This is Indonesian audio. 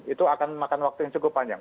itu akan memakan waktu yang cukup panjang